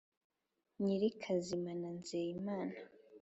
nyirikazima na nzeyimana